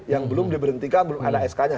yang belum diberhentikan belum ada sknya